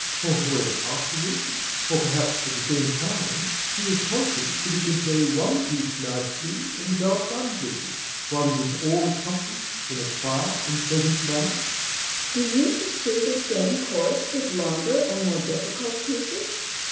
or when afterwards, or perhaps at the same time, he is conscious that he can play one piece nicely and without bungling, while it is all accomplished in a quiet and pleasant manner? MRS. SOLID. Do you pursue the same course with longer and more difficult pieces?